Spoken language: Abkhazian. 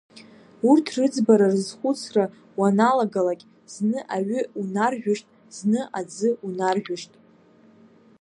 Урҭ рыӡбара рызхәыцра уаналагалакь, зны аҩы унаржәышт, зны аӡы унаржәышт.